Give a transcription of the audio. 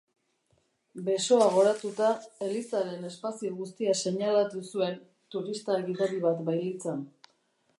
Besoa goratuta, elizaren espazio guztia seinalatu zuen, turista-gidari bat bailitzan.